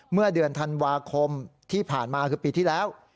เมื่อเดือนธันวาคมที่ผ่านมาคือปีที่แล้ว